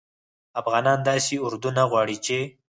افغانان داسي اردو نه غواړي چې